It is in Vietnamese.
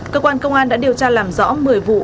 cơ quan công an đã điều tra làm rõ một mươi vụ